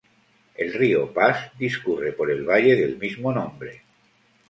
El rio Pas discurre por el valle del mismo nombre